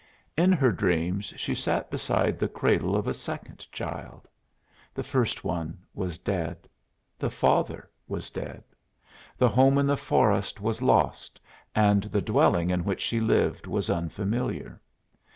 In her dreams she sat beside the cradle of a second child. The first one was dead. The father was dead. The home in the forest was lost and the dwelling in which she lived was unfamiliar.